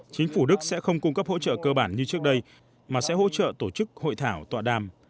chính phủ đức sẽ không cung cấp hỗ trợ cơ bản như trước đây mà sẽ hỗ trợ tổ chức hội thảo tọa đàm